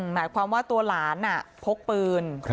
หมายความว่าตัวหลานพกปืน